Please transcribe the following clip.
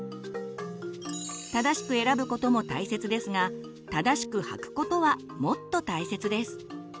正しく選ぶことも大切ですが正しく履くことはもっと大切です。